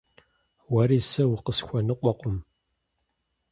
Уэри сэ укъысхуэныкъуэкъым.